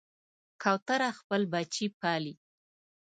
کوتره خپل بچي پالي.